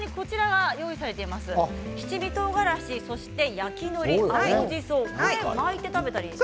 七味とうがらし、焼きのり青じそ巻いて食べたり。